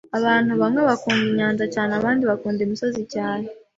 Abantu bamwe bakunda inyanja cyane, abandi bakunda imisozi cyane.